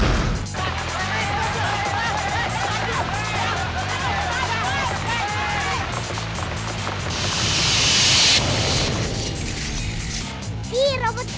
ia tuh gini